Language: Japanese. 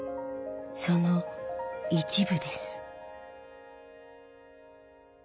その一部です。